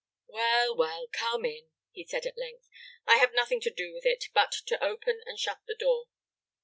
"Well, well; come in," he said, at length; "I have nothing to do with it, but to open and shut the door.